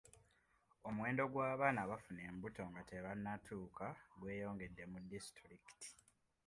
Omwendo gw'abaana abafuna embuto nga tebanneetuka gweyongedde mu disitulikiti.